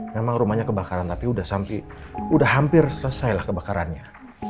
memang rumahnya kebakaran tapi udah sampai udah hampir selesailah kebakarannya